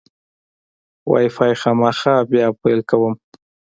وای فای خامخا بیا پیل کوم.